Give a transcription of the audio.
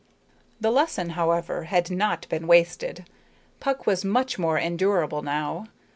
The lesson, however, had not been wasted. Puck was much more endurable now.